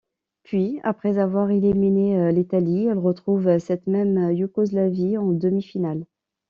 Puis, après avoir éliminé l'Italie, elle retrouve cette même Yougoslavie en demi-finale.